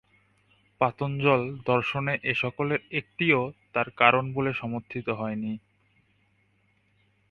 পাতঞ্জল-দর্শনে কিন্তু এ-সকলের একটিও তার কারণ বলে সমর্থিত হয়নি।